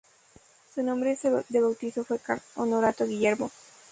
Su nombre de bautizo fue Carlos Honorato Guillermo.